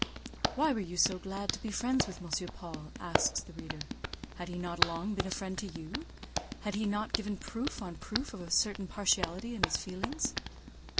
"Why were you so glad to be friends with M. Paul?" asks the reader. "Had he not long been a friend to you? Had he not given proof on proof of a certain partiality in his feelings?"